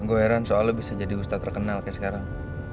gue heran soalnya bisa jadi ustadz terkenal kayak sekarang